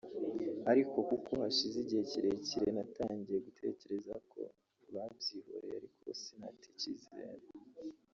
ariko kuko hashize igihe kire kire natangiye gutekereza ko babyihoreye ariko sinata icyizere